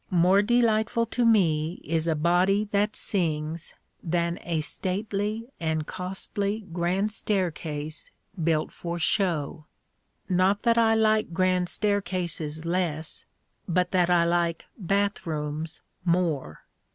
More delightful to me is a body that sings than a stately and costly grand staircase built for show. Not that I like grand staircases less, but that I like bath rooms more.